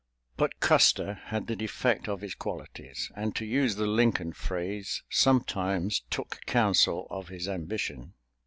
But Custer had the defect of his qualities; and to use the Lincoln phrase, sometimes took counsel of his ambition.